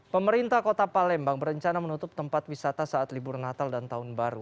pemerintah kota palembang berencana menutup tempat wisata saat libur natal dan tahun baru